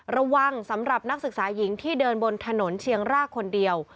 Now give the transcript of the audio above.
ระวังสำหรับนักศึกษาหญิงที่เดินบนถนนเชียงรากคนเดียว